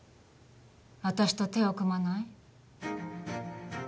私と手を組まない？